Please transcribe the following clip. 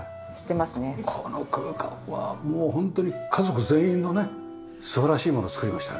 この空間はもうホントに家族全員のね素晴らしいもの作りましたよね。